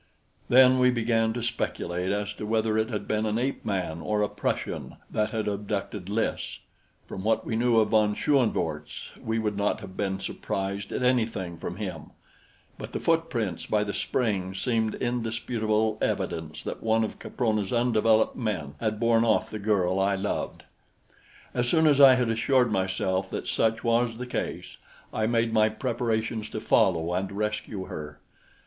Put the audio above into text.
Then we began to speculate as to whether it had been an ape man or a Prussian that had abducted Lys. From what we knew of von Schoenvorts, we would not have been surprised at anything from him; but the footprints by the spring seemed indisputable evidence that one of Caprona's undeveloped men had borne off the girl I loved. As soon as I had assured myself that such was the case, I made my preparations to follow and rescue her.